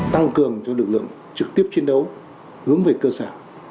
tăng cường cho lực lượng trực tiếp chiến đấu hướng về cơ sở